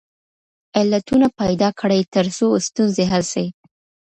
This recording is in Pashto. علتونه پیدا کړئ ترڅو ستونزې حل سي.